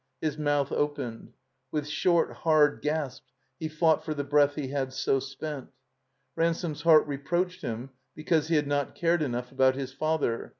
His mouth opened. With short, hard gasps he fought for the breath he had so spent. Ransome's heart reproached him because he had not cared enough about his father.